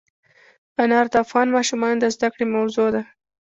انار د افغان ماشومانو د زده کړې موضوع ده.